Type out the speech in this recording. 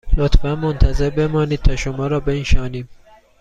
لطفاً منتظر بمانید تا شما را بنشانیم